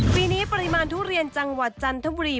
ปีนี้ปริมาณทุเรียนจังหวัดจันทบุรี